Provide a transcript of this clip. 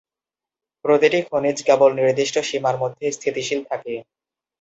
প্রতিটি খনিজ কেবল নির্দিষ্ট সীমার মধ্যে স্থিতিশীল থাকে।